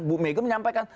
bu megu menyampaikan